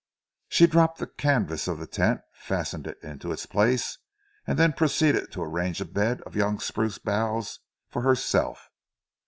She dropped the canvas of the tent, fastened it into its place, and then proceeded to arrange a bed of young spruce boughs for herself.